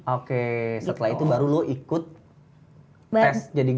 oke setelah itu baru lo ikut tes jadinya